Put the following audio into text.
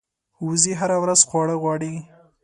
وزې هره ورځ خواړه غواړي